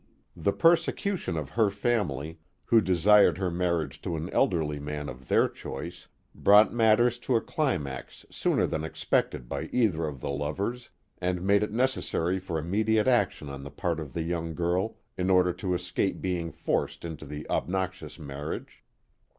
The persecution of her family, who desired her marriage to an elderly man of their choice, brought matters to a climax sooner than expected by either of the lovers, and made it necessary for immediate action on the part of the young girl in order to escape being forced into the obnoxious marriage.